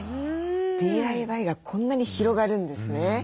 ＤＩＹがこんなに広がるんですね。